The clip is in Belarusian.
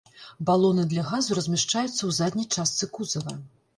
Балоны для газу размяшчаюцца ў задняй частцы кузава.